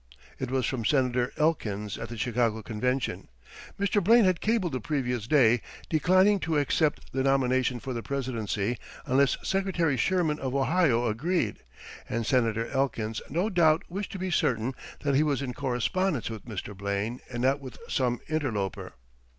It was from Senator Elkins at the Chicago Convention. Mr. Blaine had cabled the previous day, declining to accept the nomination for the presidency unless Secretary Sherman of Ohio agreed, and Senator Elkins no doubt wished to be certain that he was in correspondence with Mr. Blaine and not with some interloper.